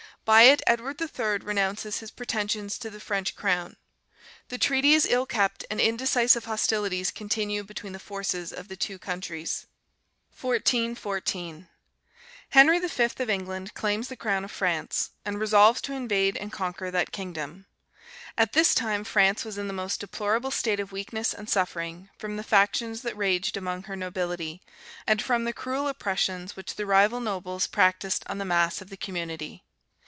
By it Edward III. renounces his pretensions to the French crown. The treaty is ill kept, and indecisive hostilities continue between the forces of the two countries. 1414. Henry V. of England claims the crown of France, and resolves to invade and conquer that kingdom. At this time France was in the most deplorable state of weakness and suffering, from the factions that raged among her nobility, and from the cruel oppressions which the rival nobles practised on the mass of the community.